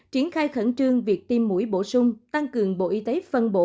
triển khai khẩn trương việc tiêm mũi bổ sung tăng cường bộ y tế phân bổ